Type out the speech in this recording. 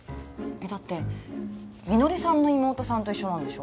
だってみのりさんの妹さんと一緒なんでしょ？